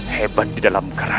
paman tidak apa apa